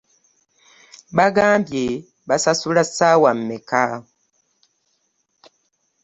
Bagambye batusasula ssaawa mmeka?